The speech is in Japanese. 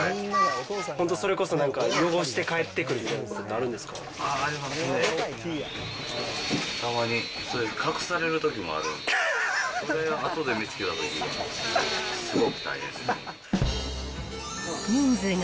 本当、それこそなんか、汚して帰ってくるみたいなことあるんですか？